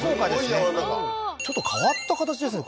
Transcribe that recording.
おおーちょっと変わった形ですね